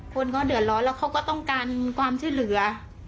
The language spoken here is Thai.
คนเขาเดือดร้อนแล้วเขาก็ต้องการความช่วยเหลือ